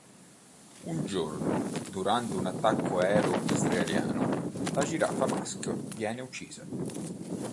Un giorno, durante un attacco aereo israeliano, la giraffa maschio viene uccisa.